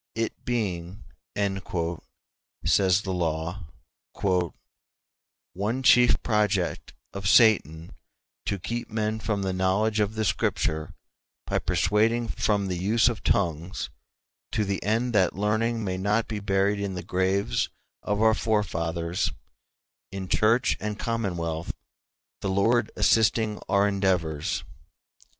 "It being," says the law, "one chief project of Satan to keep men from the knowledge of the Scripture by persuading from the use of tongues, to the end that learning may not be buried in the graves of our forefathers, in church and commonwealth, the Lord assisting our endeavors.